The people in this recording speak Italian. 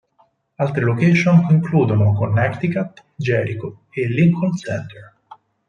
Altre location includono Connecticut, Jericho e Lincoln Center.